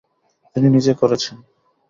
তিনি নিজে করেছেন।